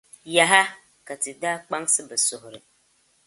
Yaha! Ka ti daa kpaŋsi bɛ suhiri.